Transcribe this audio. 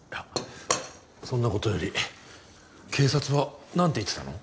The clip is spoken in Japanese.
そんなことより警察は何て言ってたの？